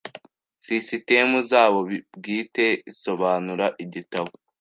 sisitemu zabo bwite isobanura igitabo